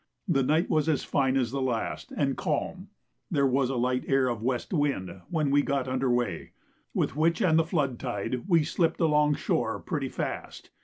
The night was as fine as the last and calm. There was a light air of west wind when we got under weigh, with which and the flood tide we slipped alongshore pretty fast.